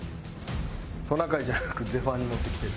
トナカイじゃなくゼファーに乗ってきてる。